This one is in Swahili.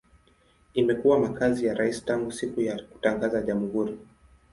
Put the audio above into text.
Imekuwa makazi ya rais tangu siku ya kutangaza jamhuri.